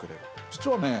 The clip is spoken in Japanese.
実はね